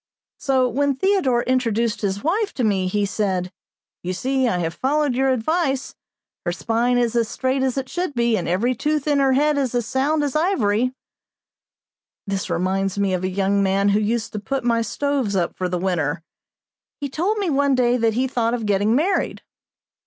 So, when Theodore introduced his wife to me, he said, "You see I have followed your advice; her spine is as straight as it should be, and every tooth in her head as sound as ivory." This reminds me of a young man who used to put my stoves up for the winter. He told me one day that he thought of getting married.